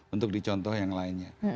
untuk dicontoh yang lainnya